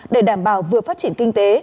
để đảm bảo vừa phát triển kinh tế